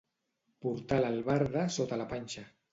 Portar l'albarda sota la panxa.